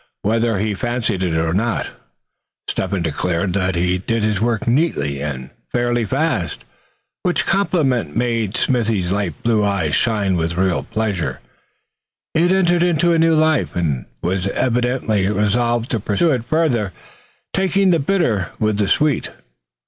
Whether he fancied it or not, Step hen declared that he did his work neatly, and fairly fast; which compliment made Smithy's light blue eyes shine with real pleasure. He had entered into a new life, and was evidently resolved to pursue it further, taking the bitter with the sweet.